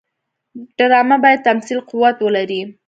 ډرامه باید د تمثیل قوت ولري